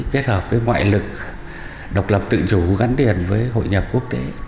kết hợp với ngoại lực độc lập tự chủ gắn điền với hội nhập quốc tế